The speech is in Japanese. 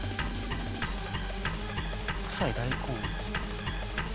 白菜大根。